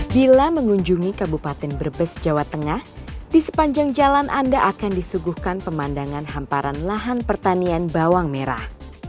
bila mengunjungi kabupaten brebes jawa tengah di sepanjang jalan anda akan disuguhkan pemandangan hamparan lahan pertanian bawang merah